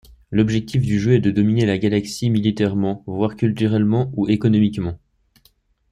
L'objectif du jeu est de dominer la galaxie militairement, voire culturellement ou économiquement.